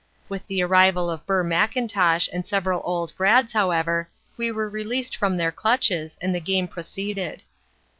With the arrival of Burr McIntosh and several old grads, however, we were released from their clutches, and the game proceeded.